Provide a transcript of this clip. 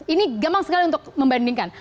ini gampang sekali untuk membandingkan